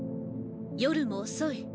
夜も遅い。